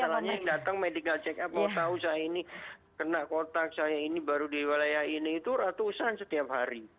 masalahnya yang datang medical check up mau tahu saya ini kena kotak saya ini baru di wilayah ini itu ratusan setiap hari